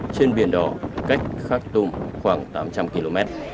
trên biển đó cách khak tum khoảng tám trăm linh km